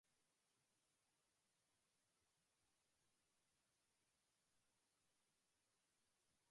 Амбаар нь зундаа халуун, өвөлдөө хүйтний дээр бороо орохоор таазнаас нь дусаал гоождог зовлонтой.